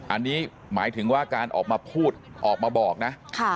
อันนี้หมายถึงว่าการออกมาพูดออกมาบอกนะ